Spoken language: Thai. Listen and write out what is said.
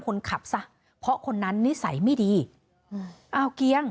คนขับซะเพราะคนนั้นนิสัยไม่ดีอืมอ้าวเกียง